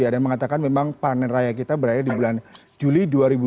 ada yang mengatakan memang panen raya kita berakhir di bulan juli dua ribu dua puluh tiga